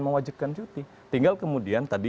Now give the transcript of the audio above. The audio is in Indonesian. mewajibkan cuti tinggal kemudian tadi